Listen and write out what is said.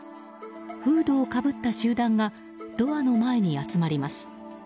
フードをかぶった集団がドアの前に集まります。